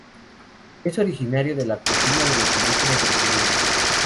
Es originario de la cocina de los indígenas brasileños.